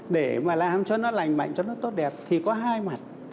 để mà làm cho nó lành mạnh cho nó tốt đẹp thì có hai mặt